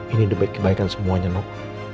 ini kebaikan semuanya nuk